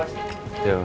aku mau lihat